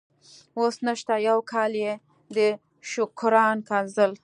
اوس نشته، یو کال یې د شوکران ځنګل.